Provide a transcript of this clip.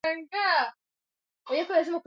hiyo inachagia lakini tena